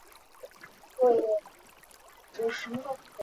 绛县华溪蟹为溪蟹科华溪蟹属的动物。